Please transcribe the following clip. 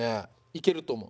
いけると思う。